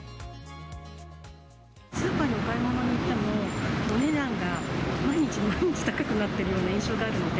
スーパーにお買い物に行っても、お値段が毎日毎日高くなってるような印象があるので。